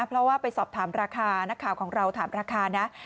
เพราะว่าไปสอบถามราคานักข่าวของเราถามราคานะ